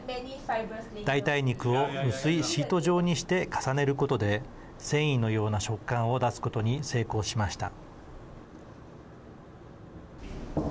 代替肉を薄いシート状にして重ねることで繊維のような食感を出すことに成功しました。